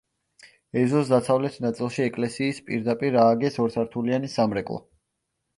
ეზოს დასავლეთ ნაწილში, ეკლესიის პირდაპირ ააგეს ორსართულიანი სამრეკლო.